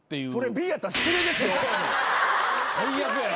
最悪やな。